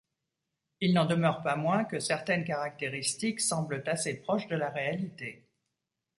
Il n'en demeure pas moins que certaines caractéristiques semblent assez proches de la réalité.